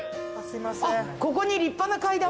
ここに立派な階段が。